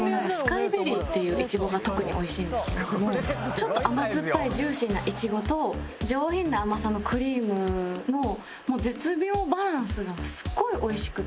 ちょっと甘酸っぱいジューシーなイチゴと上品な甘さのクリームの絶妙バランスがすごい美味しくて。